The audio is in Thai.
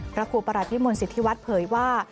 พระครูปรัชน์วิมวลศิษฐีวัตรเพย์ว่า